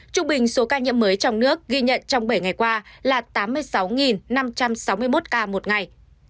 trung bình số ca nhiễm mới trong nước ghi nhận trong bảy ngày qua là tám mươi sáu năm trăm sáu mươi một ca một ngày